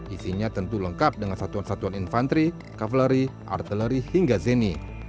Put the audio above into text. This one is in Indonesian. isinya tentu lengkap dengan satuan satuan infanteri kavaleri artileri hingga zeni